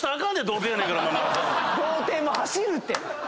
童貞も走るって！